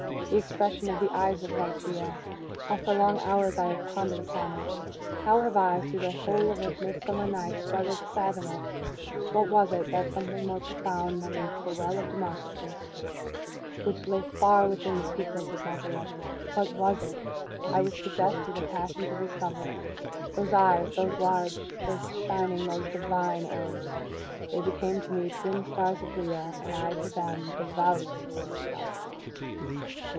The expression of the eyes of Ligeia! How for long hours have I pondered upon it! How have I, through the whole of a midsummer night, struggled to fathom it! What was it that something more profound than the well of Democritus which lay far within the pupils of my beloved? What was it? I was possessed with a passion to discover. Those eyes! those large, those shining, those divine orbs! they became to me twin stars of Leda, and I to them devoutest of astrologers.